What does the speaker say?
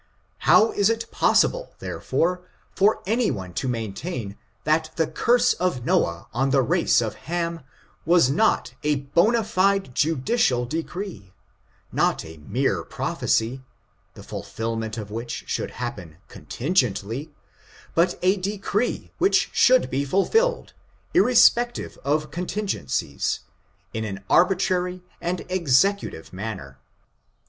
How is it possible, therefore, for any one to maintain that the curse of Noah on the race of Ham was not a bona Jide judicial decree, not a mere prophesy, the fulfillment of which should happen contingently; but a decree which should be fulfilled, irrespective of contingencies, in an arbitrary and ex ecutive manner.